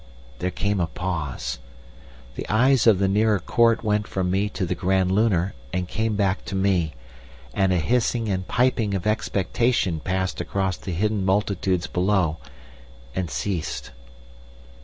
There came a pause. The eyes of the nearer court went from me to the Grand Lunar and came back to me, and a hissing and piping of expectation passed across the hidden multitudes below and ceased.